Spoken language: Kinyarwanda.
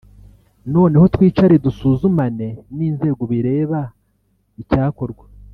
noneho twicare dusuzumane n’inzego bireba icyakorwa